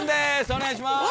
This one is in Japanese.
お願いします！